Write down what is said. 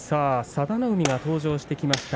佐田の海が登場してきました。